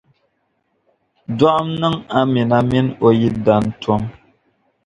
Dɔɣim niŋ Amina mini o yidana tom.